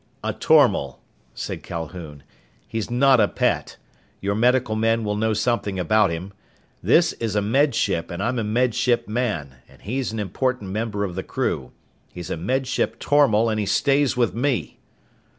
"A tormal" said Calhoun. "He's not a pet. Your medical men will know something about him. This is a Med Ship and I'm a Med Ship man, and he's an important member of the crew. He's a Med Ship tormal and he stays with me!"